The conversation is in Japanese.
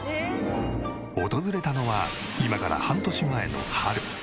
訪れたのは今から半年前の春。